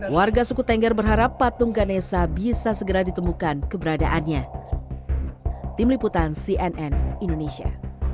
warga suku tengger berharap patung ganesa bisa segera ditemukan keberadaannya